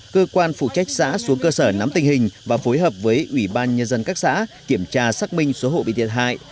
cơ quan phụ trách xã xuống cơ sở nắm tình hình và phối hợp với ủy ban nhân dân các xã kiểm tra xác minh số hộ bị thiệt hại